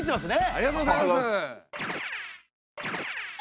ありがとうございます。